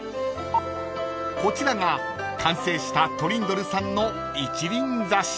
［こちらが完成したトリンドルさんの一輪挿し］